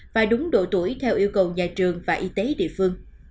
và đúng độ tuổi theo yêu cầu nhà trường và y tế địa phương